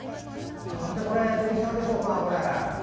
なんでこれ出てきたんでしょうか。